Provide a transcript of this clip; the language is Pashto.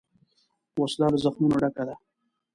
وسله له زخمونو ډکه ده